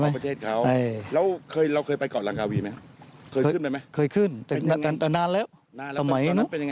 นานแล้วแต่ตอนนั้นเป็นยังไง